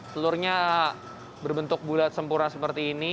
telurnya berbentuk bulat sempurna seperti ini